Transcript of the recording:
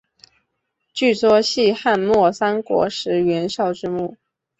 据说系汉末三国时袁绍之墓。